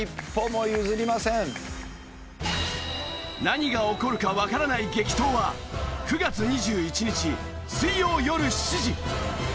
何が起こるかわからない激闘は９月２１日水曜よる７時！